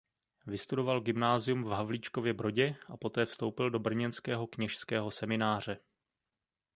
Vystudoval gymnázium v Havlíčkově Brodě a poté vstoupil do brněnského kněžského semináře.